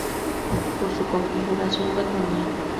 Por su configuración patronal.